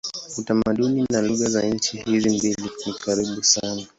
Utamaduni na lugha za nchi hizi mbili ni karibu sana.